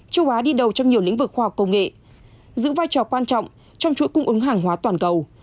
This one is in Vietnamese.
châu á đi đầu trong nhiều lĩnh vực khoa học công nghệ giữ vai trò quan trọng trong chuỗi cung ứng hàng hóa toàn cầu